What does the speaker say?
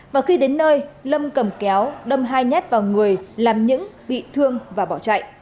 và khi đến nơi lâm cầm kéo đâm hai nhát vào người làm những bị thương và bỏ chạy